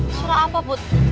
suara apa bud